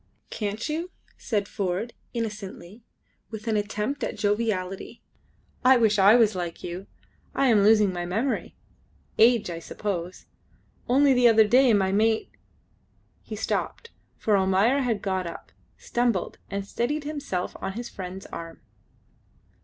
"Can't you?" said Ford, innocently, with an attempt at joviality: "I wish I was like you. I am losing my memory age, I suppose; only the other day my mate " He stopped, for Almayer had got up, stumbled, and steadied himself on his friend's arm.